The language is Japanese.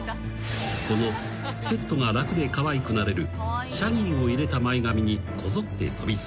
［このセットが楽でかわいくなれるシャギーを入れた前髪にこぞって飛び付いた］